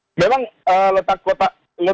nah memang letak kota